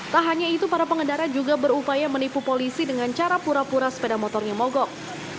tak hanya itu para pengendara juga berupaya menipu polisi dengan cara pura pura sepeda motornya mogok